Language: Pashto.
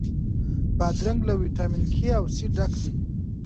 بادرنګ له ویټامین K او C ډک وي.